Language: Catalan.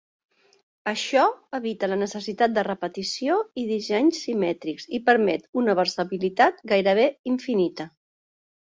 Això evita la necessitat de repetició i dissenys simètrics i permet una versatilitat gairebé infinita.